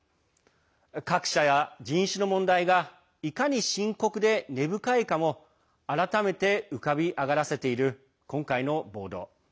格差や人種の問題がいかに深刻で根深いかも改めて浮かび上がらせている今回の暴動。